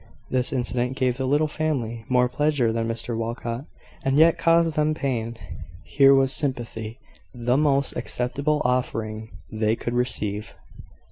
This incident gave the little family more pleasure than Mr Walcot had yet caused them pain. Here was sympathy, the most acceptable offering they could receive.